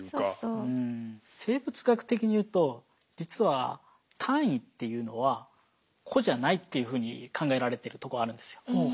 生物学的にいうと実は単位っていうのは個じゃないっていうふうに考えられてるとこあるんですよ。